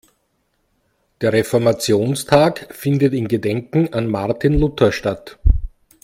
Der Reformationstag findet in Gedenken an Martin Luther statt.